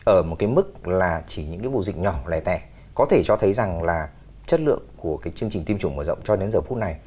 ở một cái mức là chỉ những cái vụ dịch nhỏ lẻ tẻ có thể cho thấy rằng là chất lượng của cái chương trình tiêm chủng mở rộng cho đến giờ phút này